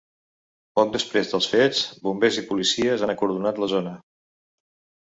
Poc després dels fets, bombers i policies han acordonat la zona.